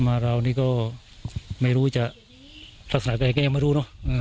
มาเรานี่ก็ไม่รู้จะลักษณะไปก็ยังไม่รู้เนอะ